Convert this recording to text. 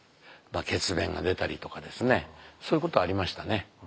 血便が出たりとかですねそういうことはありましたね。